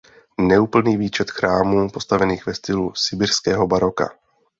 Neúplný výčet chrámů postavených ve stylu sibiřského baroka.